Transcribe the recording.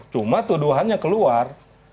cuma tuduhannya keluar